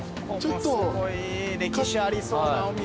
すごい歴史ありそうなお店。